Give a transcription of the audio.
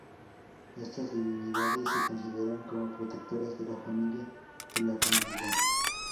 Estas divinidades se consideran como protectoras de la familia y la comunidad.